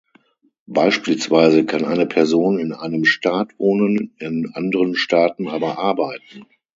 Beispielsweise kann eine Person in einem Staat wohnen, in anderen Staaten aber arbeiten.